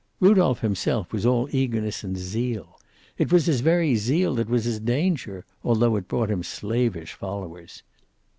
Rudolph himself was all eagerness and zeal. It was his very zeal that was his danger, although it brought him slavish followers.